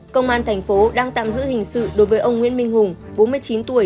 công an thành phố đang tạm giữ hình sự đối với ông nguyễn minh hùng bốn mươi chín tuổi